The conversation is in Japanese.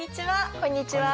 こんにちは。